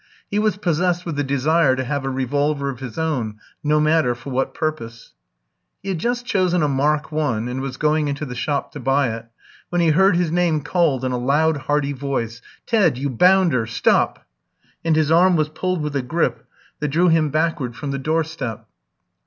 He was possessed with the desire to have a revolver of his own, no matter for what purpose. He had just chosen a "Mark I.," and was going into the shop to buy it, when he heard his name called in a loud hearty voice, "Ted, you bounder! stop!" and his arm was pulled with a grip that drew him backward from the doorstep.